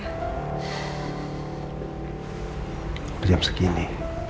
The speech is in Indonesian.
udah jam segini